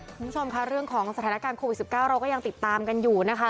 คุณผู้ชมค่ะเรื่องของสถานการณ์โควิด๑๙เราก็ยังติดตามกันอยู่นะคะ